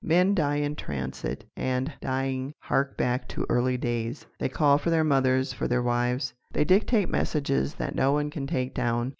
Men die in transit, and, dying, hark back to early days. They call for their mothers, for their wives. They dictate messages that no one can take down.